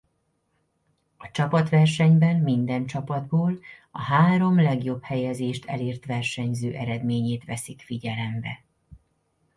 A csapatversenyben minden csapatból a három legjobb helyezést elért versenyző eredményét veszik figyelembe.